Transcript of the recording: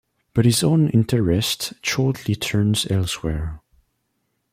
But his own interests shortly turned elsewhere.